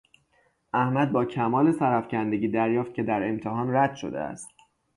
احمد با کمال سرافکندگی دریافت که در امتحان رد شده است.